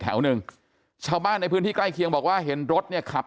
แถวหนึ่งชาวบ้านในพื้นที่ใกล้เคียงบอกว่าเห็นรถเนี่ยขับ